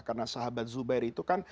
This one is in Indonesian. karena sahabat zubair itu kan